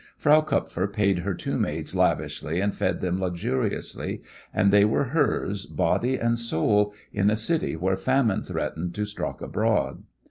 Frau Kupfer paid her two maids lavishly and fed them luxuriously, and they were hers body and soul in a city where famine threatened to stalk abroad.